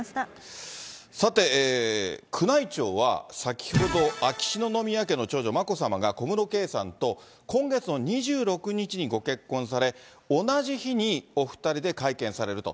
さて、宮内庁は先ほど、秋篠宮家の長女、眞子さまが小室圭さんと今月の２６日にご結婚され、同じ日にお２人で会見されると。